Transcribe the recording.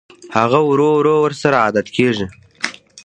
هغه ورو ورو ورسره عادت کېږي